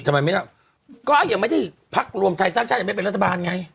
ทำไมไม่เล่าก็ยังไม่ได้พักรวมไทยสร้างชาติยังไม่เป็นรัฐบาลไง